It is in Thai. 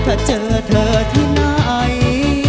ถ้าเจอเธอที่ไหน